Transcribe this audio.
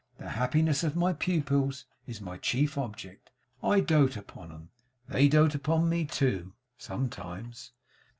The happiness of my pupils is my chief object. I dote upon 'em. They dote upon me too sometimes.